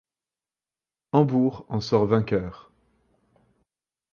Hambourg en sort vainqueur.